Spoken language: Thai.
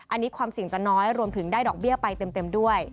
อันนี้ความเสี่ยงจะน้อยรวมถึงได้ดอกเบี้ยไปเต็มด้วย